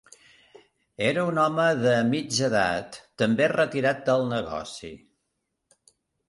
Era un home de mitja edat, també retirat del negoci